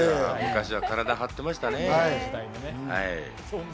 昔は体張ってましたね。